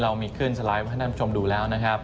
เรามีขึ้นสไลด์ให้ท่านผู้ชมดูแล้วนะครับ